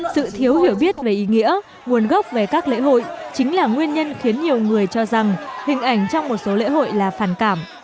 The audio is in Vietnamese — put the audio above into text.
sự thiếu hiểu biết về ý nghĩa nguồn gốc về các lễ hội chính là nguyên nhân khiến nhiều người cho rằng hình ảnh trong một số lễ hội là phản cảm